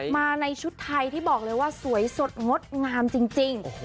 มาในชุดไทยที่บอกเลยว่าสวยสดงดงามจริง